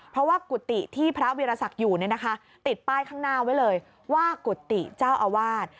เพราะว่ากุฏิที่พระวิรสักอยู่ติดป้ายข้างหน้าไว้เลยว่ากุฏิเจ้าอาวาส